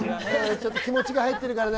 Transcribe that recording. ちょっと気持ちが入ってるからね。